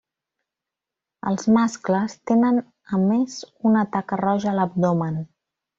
Els mascles tenen a més una taca roja a l'abdomen.